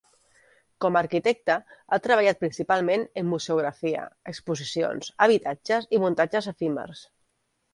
Com arquitecte ha treballat principalment en museografia, exposicions, habitatges i muntatges efímers.